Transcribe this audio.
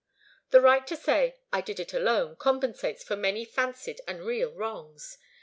The right to say 'I did it alone' compensates for many fancied and real wrongs.